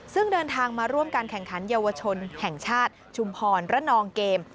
ซึ่งเดินทางมาร่วมการแข่งขันเยาวชนแห่งชาติชุมพรระนองเกม